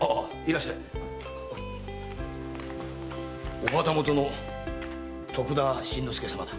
お旗本の徳田新之助様だ。